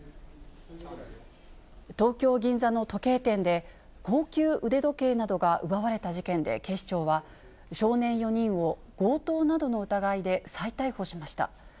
東京・銀座の時計店で、高級腕時計などが奪われた事件で、警視庁は、少年４人を強盗などの疑いで再逮捕しました。